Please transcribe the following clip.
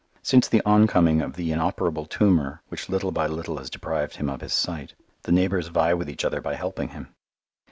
Since the oncoming of the inoperable tumour, which little by little has deprived him of his sight, the neighbours vie with each other by helping him.